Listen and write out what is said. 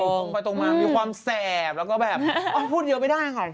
ตรงไปตรงมามีความแสบแล้วก็แบบพูดเยอะไม่ได้ค่ะ